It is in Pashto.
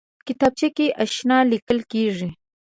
کتابچه کې انشاء لیکل کېږي